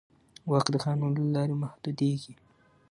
واک د قانون له لارې محدودېږي.